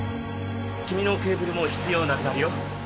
君のケーブルも必要なくなるよ。